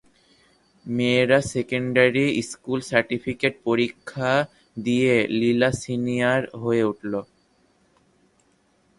মেয়েরা secondary school certificate পরীক্ষা দিয়ে লীলা সিনিয়র হয়ে ওঠে।